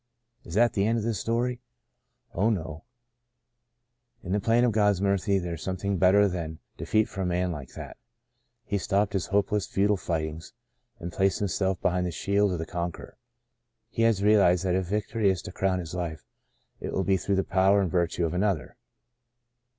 Is that the end of the story ? Oh, no I In the plan of God's mercy there's some thing better than defeat for a man like that. He stopped his hopeless, futile fightings, and placed himself behind the shield of the Con queror. He has realized that if victory is to crown his life, it will be through the power and virtue of Another.